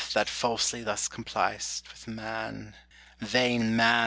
that falsely thus comply'st With man; vain man!